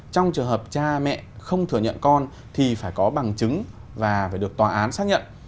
trong trường hợp cha mẹ không thừa nhận con thì phải có bằng chứng và phải được tòa án xác nhận